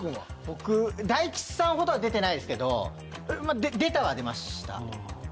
僕大吉さんほどは出てないですけど出たは出ました。